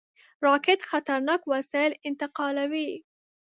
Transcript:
راکټ خطرناک وسایل انتقالوي